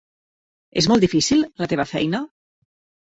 És molt difícil, la teva feina?